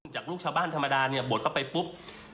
จากลูกชาวบ้านธรรมดาโบดเข้าไปปุ๊บ